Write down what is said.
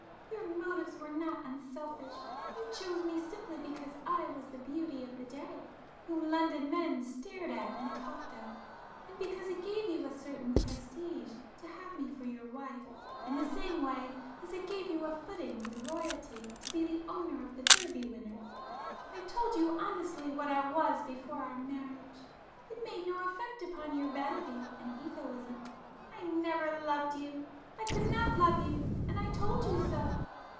Your motives were not unselfish,—you chose me simply because I was the 'beauty' of the day whom London men stared at and talked of,—and because it gave you a certain 'prestige' to have me for your wife, in the same way as it gave you a footing with Royalty to be the owner of the Derby winner. I told you honestly what I was before our marriage,—it made no effect upon your vanity and egoism. I never loved you,—I could not love you, and I told you so.